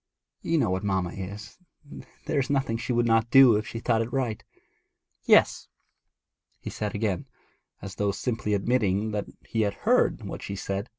You know what mamma is; there is nothing she would not do if she thought it right.' 'Yes,' he said again, as though simply admitting that he had heard what she said.